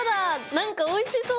なんかおいしそう！